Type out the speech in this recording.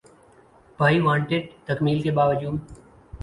’بھائی وانٹڈ‘ تکمیل کے باوجود